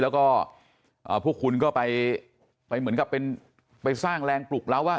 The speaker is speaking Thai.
แล้วก็พวกคุณก็ไปเหมือนกับเป็นไปสร้างแรงปลุกเราว่า